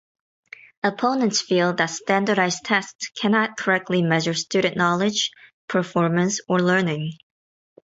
Opponents feel that standardized tests cannot correctly measure student knowledge, performance, or learning.